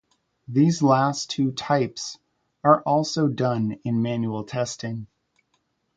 These last two types are also done in manual testing.